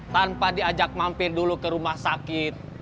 tanpa diajak mampir dulu ke rumah sakit